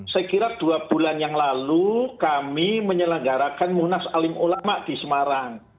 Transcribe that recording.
saya kira dua bulan yang lalu kami menyelenggarakan munas alim ulama di semarang